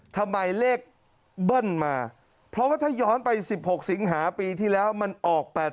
ทำไมเลขเบิ้ลมาเพราะว่าถ้าย้อนไป๑๖สิงหาปีที่แล้วมันออก๘๘